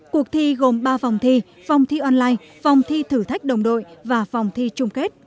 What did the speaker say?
cuộc thi gồm ba vòng thi vòng thi online vòng thi thử thách đồng đội và vòng thi chung kết